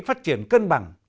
phát triển cân bằng